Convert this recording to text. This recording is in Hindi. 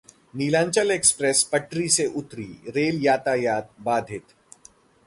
नीलांचल एक्सप्रेस पटरी से उतरी, रेल यातायात बाधित